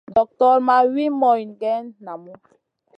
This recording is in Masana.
Doktora ma wi moyne geyn namu.